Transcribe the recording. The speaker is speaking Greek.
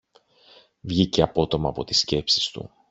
Βγήκε απότομα από τις σκέψεις του